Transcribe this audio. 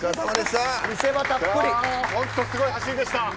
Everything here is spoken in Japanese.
本当すごい走りでした。